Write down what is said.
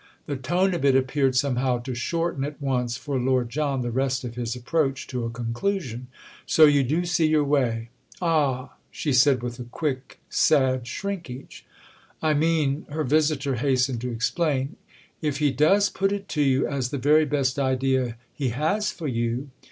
The tone of it appeared somehow to shorten at once for Lord John the rest of his approach to a conclusion. "So you do see your way?" "Ah—!" she said with a quick sad shrinkage. "I mean," her visitor hastened to explain, "if he does put it to you as the very best idea he has for you.